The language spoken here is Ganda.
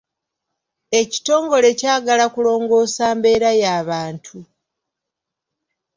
Ekitongole kyagala kulongoosa mbeera ya bantu.